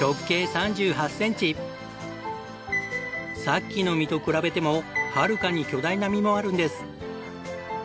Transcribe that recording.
さっきの実と比べてもはるかに巨大な実もあるんです。